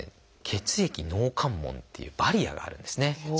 「血液脳関門」っていうバリアがあるんですね。